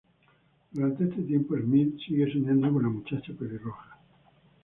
Durante este tiempo, Smith sigue soñando con la muchacha pelirroja.